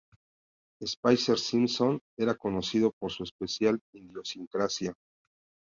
Spicer-Simson era conocido por su especial idiosincrasia.